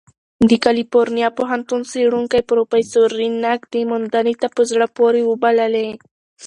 د کلیفورنیا پوهنتون څېړونکی پروفیسر رین نګ دې موندنې ته "په زړه پورې" وبللې.